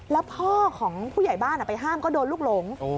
แล้วพ่อของผู้ใหญ่บ้านไปห้ามก็โดนลูกหลง